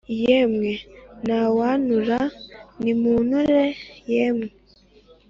yemwe ntawantura, nimunture yemwe !